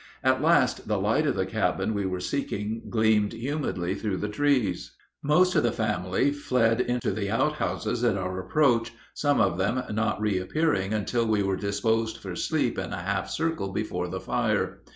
At last the light of the cabin we were seeking gleamed humidly through the trees. Most of the family fled into the outhouses at our approach, some of them not reappearing until we were disposed for sleep in a half circle before the fire.